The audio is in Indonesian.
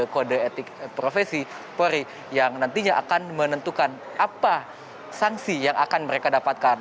kode etik profesi polri yang nantinya akan menentukan apa sanksi yang akan mereka dapatkan